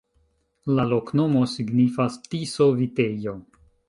La loknomo signifas: Tiso-vitejo.